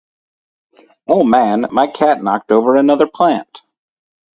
Oh man, my cat knocked over another plant!